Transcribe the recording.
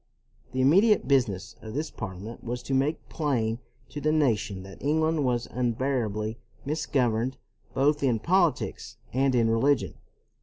The immediate business of this Parliament was to make plain to the nation that England was unbearably misgoverned both in politics and in religion.